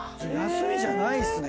休みじゃないっすね。